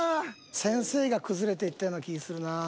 先生が崩れていったような気するなぁ。